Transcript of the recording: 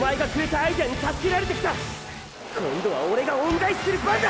今度はオレが恩返しする番だ！